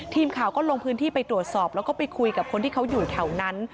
ทีมข่าวก็ลงพื้นที่ไปตรวจสอบแล้วก็ไปคุยกับคนที่เขาอยู่แถวนั้น